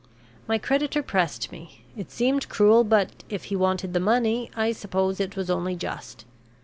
My creditor pressed me; it seemed cruel, but, if he wanted the money, I suppose it was only just.